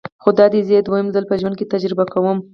خو دادی زه یې دویم ځل په ژوند کې تجربه کوم.